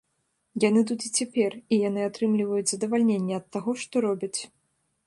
Яны тут і цяпер, і яны атрымліваюць задавальненне ад таго, што робяць.